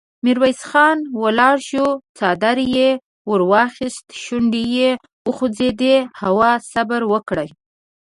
ميرويس خان ولاړ شو، څادر يې ور واخيست، شونډې يې وخوځېدې: هو! صبر وکړئ!